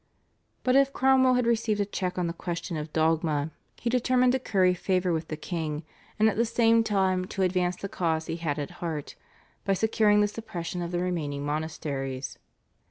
But if Cromwell had received a check on the question of dogma, he determined to curry favour with the king and at the same time to advance the cause he had at heart, by securing the suppression of the remaining monasteries.